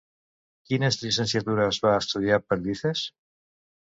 Quines llicenciatures va estudiar Perdices?